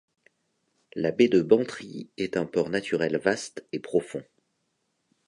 La baie de Bantry est un port naturel vaste et profond.